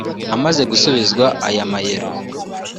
Amaze gusubizwa aya mayero